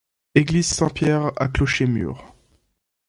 Église Saint Pierre à clocher-mur.